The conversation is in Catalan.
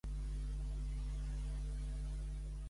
Advoquen els socialistes al dret a manifestar-se un?